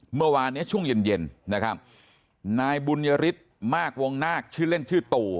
เมื่อวานเนี้ยช่วงเย็นเย็นนะครับนายบุญยฤทธิ์มากวงนาคชื่อเล่นชื่อตู่